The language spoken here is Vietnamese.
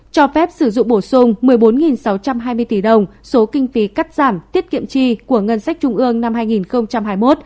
cho phép sử dụng bổ sung một mươi bốn sáu trăm hai mươi tỷ đồng số kinh phí cắt giảm tiết kiệm chi của ngân sách trung ương năm hai nghìn hai mươi một